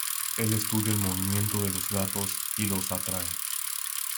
Él estudia en el movimiento de los gatos y los atrae.